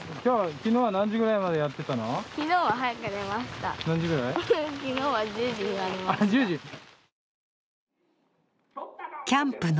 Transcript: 昨日は何時ぐらいまでやってたの？